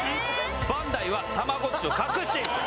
「バンダイはたまごっちを隠している」と。